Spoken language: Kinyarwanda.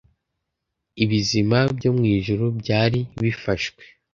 Ibizima byo mu ijuru byari bifashwe